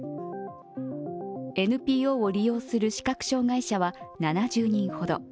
ＮＰＯを利用する視覚障害者は７０人ほど。